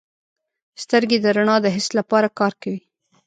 سترګې د رڼا د حس لپاره کار کوي.